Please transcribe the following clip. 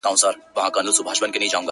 په څو ځلي مي ستا د مخ غبار مات کړی دی.